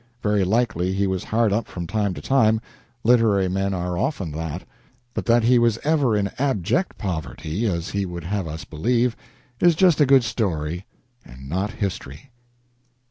Very likely he was hard up from time to time literary men are often that but that he was ever in abject poverty, as he would have us believe, is just a good story and not history.